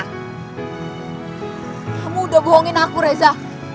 kamu udah bohongin aku reza